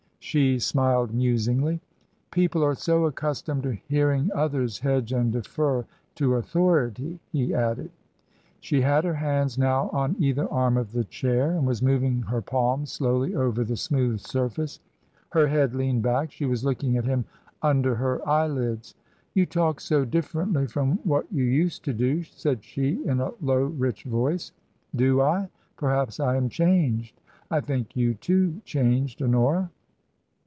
She smiled musingly. " People are so accustomed to hearing others hedge and defer to authority," he added. She had her hands now on either arm of the chair and was moving her palms slowly over the smooth surface. Her head leaned back ; she was looking at him under her eyelids. " You talk so differently from what you used to do," said she, in a low, rich voice. "Do I? Perhaps I am changed. I think you too changed, Honora."